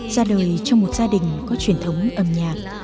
ra đời trong một gia đình có truyền thống âm nhạc